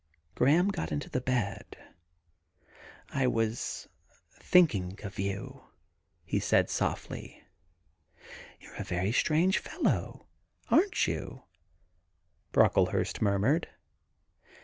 Graham got into the bed. ' I was thinking of you,' he said softly. * You 're a very strange fellow — aren't you ?* Brocklehurst murmured.